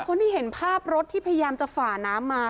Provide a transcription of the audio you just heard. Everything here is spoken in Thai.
คนที่เห็นภาพรถที่พยายามจะฝ่าน้ำมา